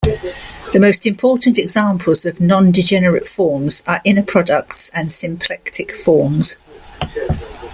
The most important examples of nondegenerate forms are inner products and symplectic forms.